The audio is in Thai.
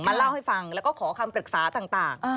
เล่าให้ฟังแล้วก็ขอคำปรึกษาต่าง